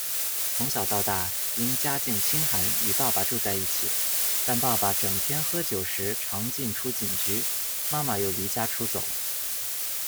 从小到大因家境清寒与爸爸住在一起，但爸爸整天喝酒时常进出警局、妈妈又离家出走。